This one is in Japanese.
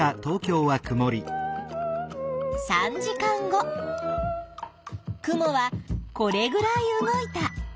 ３時間後雲はこれぐらい動いた。